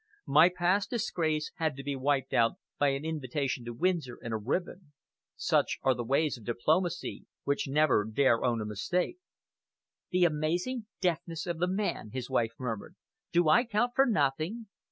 "My past disgrace had to be wiped out by an invitation to Windsor and a ribbon. Such are the ways of diplomacy, which never dare own a mistake." "The amazing denseness of the man!" his wife murmured. "Do I count for nothing?"